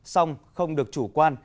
xong không được chủ quan